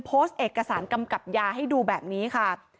โพสต์เอกสารกำกับยาให้ดูแบบนี้ค่ะ